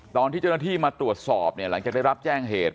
ตอนที่เจ้าหน้าที่มาตรวจสอบเนี่ยหลังจากได้รับแจ้งเหตุ